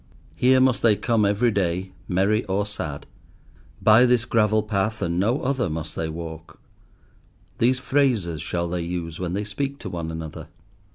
Here must they come every day, merry or sad. By this gravel path and no other must they walk; these phrases shall they use when they speak to one another.